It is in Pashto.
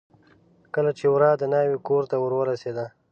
کله چې ورا د ناوې کورته ور ورسېده.